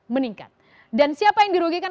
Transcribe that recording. meningkat dan siapa yang dirugikan